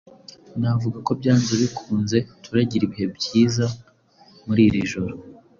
Navuga ko byanze bikunze turagira ibihe byiza muri iri joro.